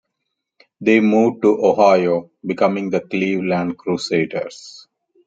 They moved to Ohio, becoming the Cleveland Crusaders.